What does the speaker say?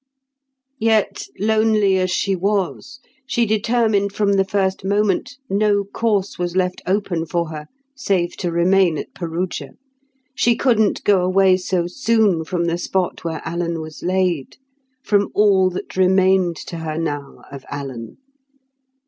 Yet, lonely as she was, she determined from the first moment no course was left open for her save to remain at Perugia. She couldn't go away so soon from the spot where Alan was laid—from all that remained to her now of Alan.